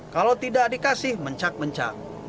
kalau tidak dikasih mencak mencak